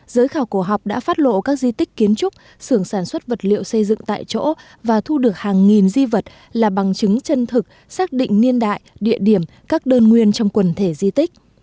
giới khảo cổ học đã phát lộ các di tích kiến trúc xưởng sản xuất vật liệu xây dựng tại chỗ và thu được hàng nghìn di vật là bằng chứng chân thực xác định niên đại địa điểm các đơn nguyên trong quần thể di tích